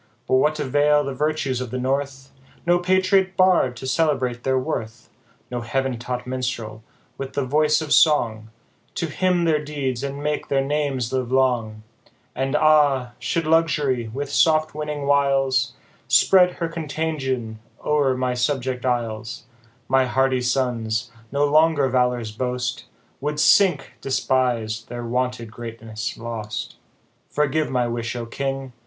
But what avail the virtues of the North, No Patriot Bard to celebrate their worth, No heav'n taught Minstrel, with the voice of song, To hymn their deeds, and make their names live long ? And, ah ! should luxury, with soft winning .viles, Spread her contagion o'er my subject isles, My hardy sons, no longer valour's boast, Would sink, despis'd, their wonted greatness lost. Forgive my wish, O king